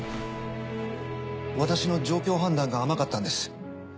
私の状況判断が甘かったんです。